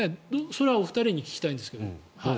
それはお二人に聞きたいんですけど。